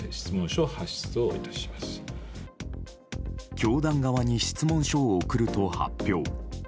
教団側に質問書を送ると発表。